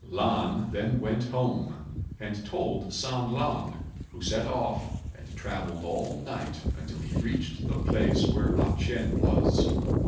Lan then went home and told San lang, who set off and travelled all night until he reached the place where A ch'ien was.